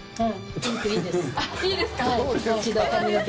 いいですか？